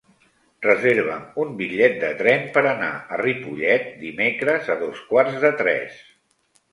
Reserva'm un bitllet de tren per anar a Ripollet dimecres a dos quarts de tres.